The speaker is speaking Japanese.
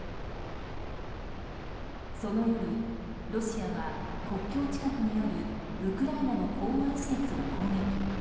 その夜、ロシアは国境近くにあるウクライナの港湾施設を攻撃。